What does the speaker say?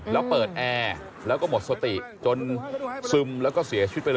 แล้วเปิดแอร์แล้วก็หมดสติจนซึมแล้วก็เสียชีวิตไปเลย